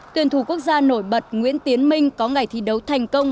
tuyển thủ quốc gia nổi bật nguyễn tiến minh có ngày thi đấu thành công